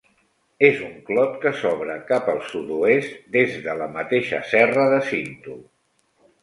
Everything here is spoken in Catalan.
És un clot que s'obre cap al sud-oest des de la mateixa Serra de Cinto.